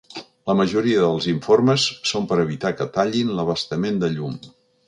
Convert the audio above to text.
La majoria dels informes són per evitar que tallin l’abastament de llum.